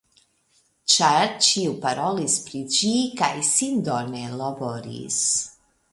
Ĉar ĉiu parolis pri ĝi, kaj sindone laboris.